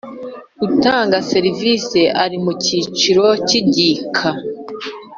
utanga serivisi ari mu cyiciro cy igika